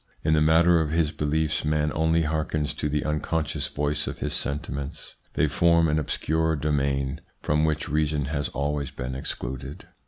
In the matter of his beliefs man only hearkens to the unconscious voice of his sentiments. They form an obscure domain" from which reason has always been excluded.